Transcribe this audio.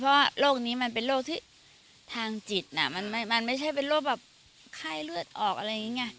เพราะว่าโรคนี้มันเป็นโรคที่ทางจิตมันไม่ใช่เป็นโรคแบบไข้เลือดออกอะไรอย่างนี้ไง